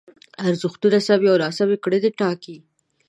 ارزښتونه سمې او ناسمې کړنې ټاکي.